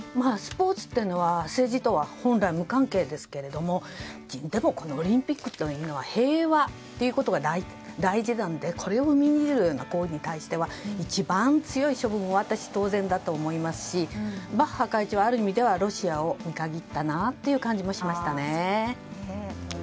スポーツっていうのは政治とは本来無関係ですけどでも、オリンピックというのは平和ということが大事なのでこれを踏みにじるような行為に対しては一番強い処分は当然だと思いますしバッハ会長はある意味ではロシアを見限ったなという感じがしましたね。